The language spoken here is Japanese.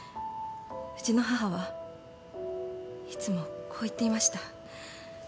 うちの母はいつもこう言っていました。